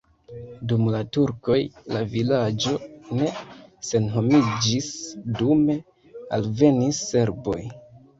Dum la turkoj la vilaĝo ne senhomiĝis, dume alvenis serboj.